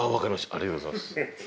ありがとうございます。